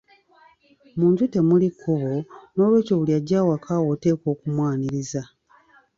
Mu nju temuli kkubo, n'olwekyo buli ajja awaka wo oteekwa okumwaniriza.